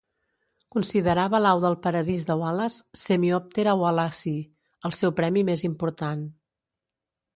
Considerava l'au del paradís de Wallace, "semioptera wallacii", el seu premi més important.